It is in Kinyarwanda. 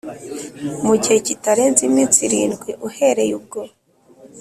Mu gihe kitarenze iminsi irindwi uhereye ubwo